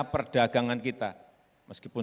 perdagangan kita meskipun